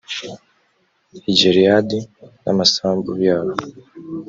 i gileyadi e n amasambu yabo